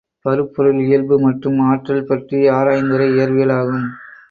பருப்பொருள் இயல்பு மற்றும் ஆற்றல் பற்றி ஆராயுந்துறை இயற்பியலாகும்.